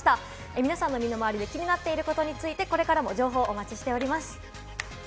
皆さんの身の回りで気になっていることについて、これからも情報をお待ちしております。